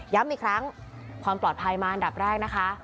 อีกครั้งความปลอดภัยมาอันดับแรกนะคะ